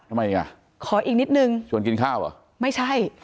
ทำไมอ่ะขออีกนิดนึงชวนกินข้าวเหรอไม่ใช่